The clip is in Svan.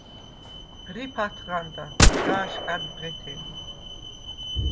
რიფ ათღანდა, სგა̄შყა̈დ ბღეთე.